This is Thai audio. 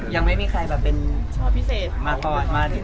ยังไม่มีใครเป็นมาก่อน